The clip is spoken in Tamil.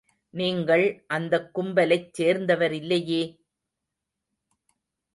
நீங்கள் அந்தக் கும்பலைச் சேர்ந்தவரில்லையே?